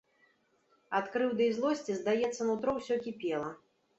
Ад крыўды і злосці, здаецца, нутро ўсё кіпела.